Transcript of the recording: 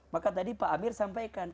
maka tadi pak amir sampaikan